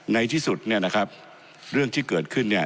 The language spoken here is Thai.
ในที่สุดเนี่ยนะครับเรื่องที่เกิดขึ้นเนี่ย